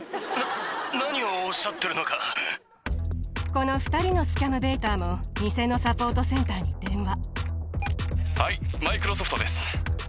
この２人のスキャムベイターも偽のサポートセンターに電話。